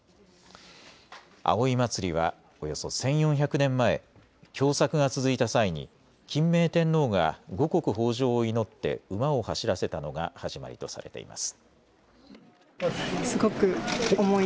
葵祭はおよそ１４００年前、凶作が続いた際に欽明天皇が五穀豊じょうを祈って馬を走らせたのが始まりとされています。